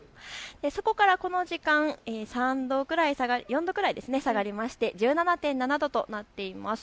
そこからこの時間、４度くらい下がりまして、１７．７度となっています。